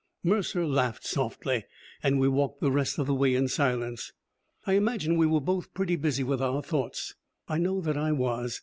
Mercer laughed softly, and we walked the rest of the way in silence. I imagine we were both pretty busy with our thoughts; I know that I was.